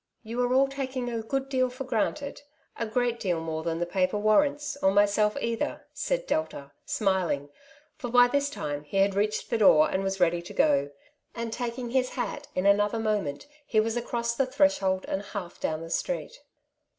^'' You are all taking a good deal for granted — a great deal more than the paper warrants, or myself either," said Delta, smiling, for by this time he had reached the door, and was ready to go ; and taking Lis hat, in another moment he was across the threshold and half down the street.